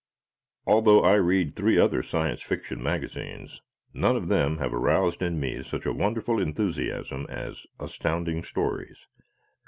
Although I read three other Science Fiction magazines none of them have aroused in me such a wonderful enthusiasm as Astounding Stories.